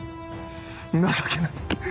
情けない。